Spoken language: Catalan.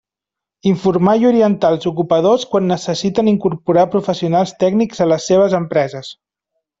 Informar i orientar els ocupadors quan necessiten incorporar professionals tècnics a les seues empreses.